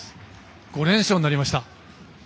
５連勝になりました。